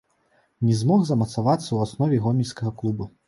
Не змог замацавацца ў аснове гомельскага клуба.